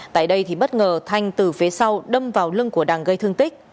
tại đây thì bất ngờ thanh từ phía sau đâm vào lưng của đàng gây thương tích